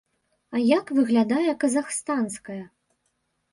А як выглядае казахстанская?